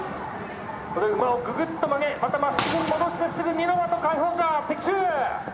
ここで馬をぐぐっと曲げまたまっすぐに戻してすぐ二ノ的下方射的中。